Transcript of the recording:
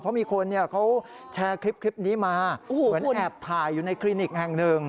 เพราะมีคนเขาแชร์คลิปนี้มาเหมือนแอบถ่ายอยู่ในคลินิกแห่งหนึ่ง